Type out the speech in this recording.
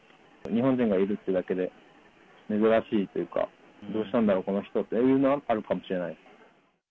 日本人がいるっていうだけで、珍しいというか、どうしたんだろう、この人っていうのはあるかもしれないです。